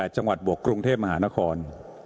จังหวัดบวกกรุงเทพมหานคร